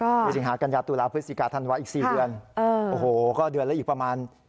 ก็จึงหากันยับตุลาภิษฐิกาธัณวะอีก๔เดือนโอ้โหก็เดือนแล้วอีกประมาณ